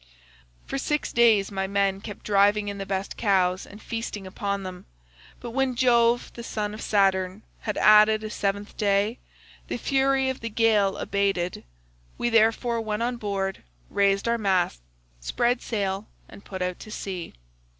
"For six days my men kept driving in the best cows and feasting upon them, but when Jove the son of Saturn had added a seventh day, the fury of the gale abated; we therefore went on board, raised our masts, spread sail, and put out to sea.